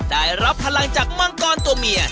ได้รับพลังจากมังกรตัวเมีย